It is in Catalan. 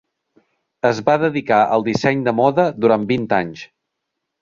Es va dedicar al disseny de moda durant vint anys.